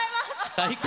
最高！